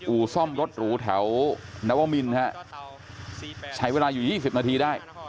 อู่ซ่อมรถหรูแถวนวมินฮะใช้เวลาอยู่๒๐นาทีได้